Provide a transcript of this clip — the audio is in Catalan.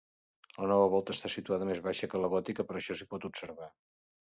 La nova volta està situada més baixa que la gòtica, per això s'hi pot observar.